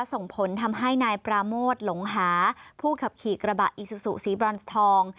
ส่งผลทำให้นายปราโมทหลงหาผู้ขับขี่กระบะอีซูซูสีบรอนทอง